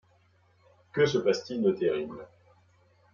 Que se passe-t-il de terrible